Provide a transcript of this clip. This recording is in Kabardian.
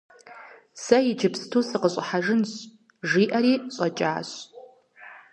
- Сэ иджыпсту сыкъыщӀыхьэжынщ, – жиӀэри щӀэкӀащ.